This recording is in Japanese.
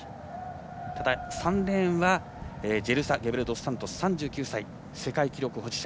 ただ、３レーンはジェルサ・ゲベルドスサントス３９歳世界記録保持者。